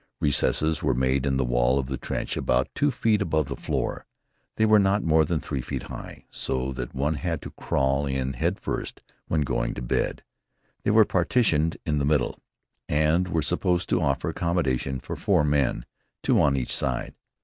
Recesses were made in the wall of the trench about two feet above the floor. They were not more than three feet high, so that one had to crawl in head first when going to bed. They were partitioned in the middle, and were supposed to offer accommodation for four men, two on each side.